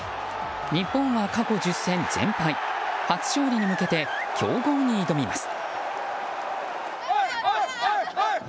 日本は過去１０戦全敗初勝利に向けて強豪に挑みます。